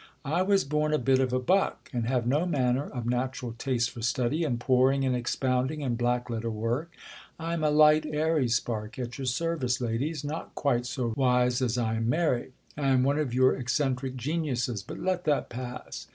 I was born a bit of a buck ; and have no manner of natural taste for study, and poring, and exj^ounding, and black letter work. I am a light, airy spark, at your service, ladies ; not quite so wise as I am merry. I am one of your ec centric geniuses ; but let that pass.